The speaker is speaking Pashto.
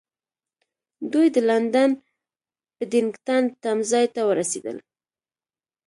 دوی د لندن پډینګټن تمځای ته ورسېدل.